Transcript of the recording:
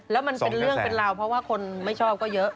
แล้วมันเป็นเรื่องเป็นราวเพราะว่าคนไม่ชอบก็เยอะ